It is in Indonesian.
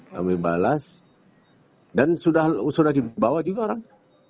kami balas dan sudah dibawa juga orang